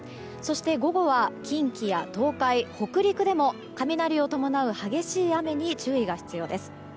午後は近畿や東海・北陸でも雷を伴う激しい雨に注意が必要です。